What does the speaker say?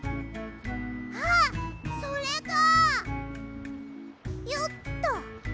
あっそれかよっと。